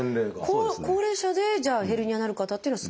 高齢者でじゃあヘルニアになる方っていうのは少ないんですか？